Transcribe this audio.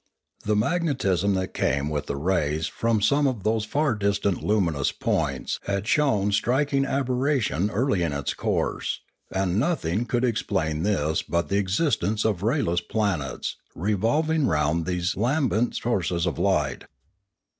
The magnetism that came with the rays from some of those far distant luminous points had shown striking aberration early in its course; and nothing could explain this but the existence of ray less planets revolving round these lam bent sources of light.